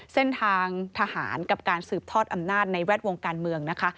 เส้นทางทหารกับการสืบทอดอำนาจในแวดวงการเมืองนะคะ